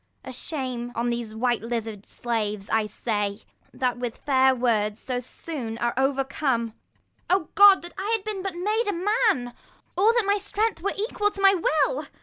A shame on these white liver'd slaves, say I, That with fair words so soon are overcome. IO God, that I had been but made a man ; 1 5 Or that my strength were equal with my will